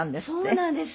そうなんです。